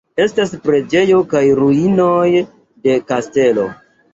Estas preĝejo kaj ruinoj de kastelo.